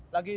lagi di ypb